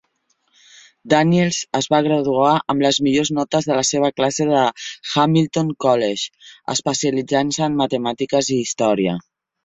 Daniels es va graduar amb les millors notes de la seva classe de la Hamilton College, especialitzant-se en matemàtiques i història.